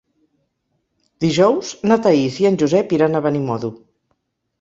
Dijous na Thaís i en Josep iran a Benimodo.